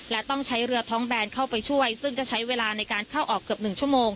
และต้องใช้เรือท้องแบนเข้าไปช่วยซึ่งจะใช้เวลาในการเข้าออกเกือบ๑ชั่วโมง